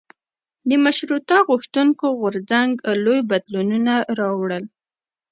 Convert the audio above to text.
د مشروطه غوښتونکو غورځنګ لوی بدلونونه راوړل.